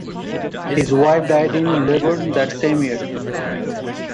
His wife died in labour that same year.